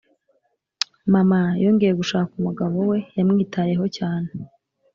mama yongeye gushaka umugabo we yamwitayeho cyane